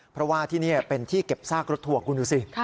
เพราะว่าที่นี่เป็นที่เก็บซากรถทัวร์คุณดูสิ